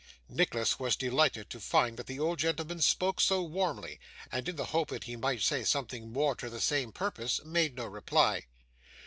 Nicholas was delighted to find that the old gentleman spoke so warmly, and in the hope that he might say something more to the same purpose, made no reply.